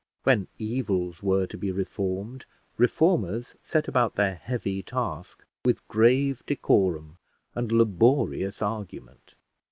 When evils were to be reformed, reformers set about their heavy task with grave decorum and laborious argument.